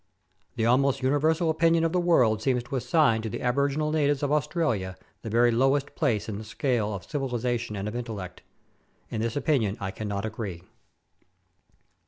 The almost universal opinion of the world seems to assign to the aboriginal natives of Australia the very lowest place in the scale of civilization and of intellect. In this opinion I cannot agree.